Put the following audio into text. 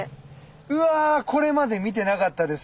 うわこれまで見てなかったです。